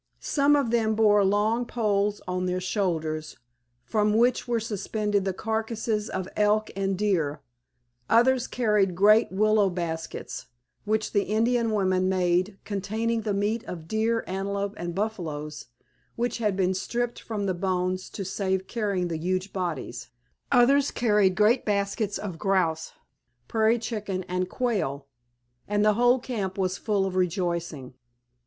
Some of them bore long poles on their shoulders from which were suspended the carcases of elk and deer, others carried great willow baskets, which the Indian women made, containing the meat of deer, antelope, and buffaloes which had been stripped from the bones to save carrying the huge bodies; others carried great baskets of grouse, prairie chicken, and quail, and the whole camp was full of rejoicing.